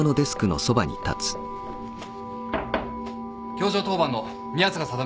教場当番の宮坂定です。